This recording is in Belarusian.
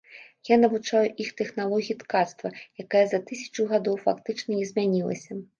Я навучаю іх тэхналогіі ткацтва, якая за тысячу гадоў фактычна не змянілася.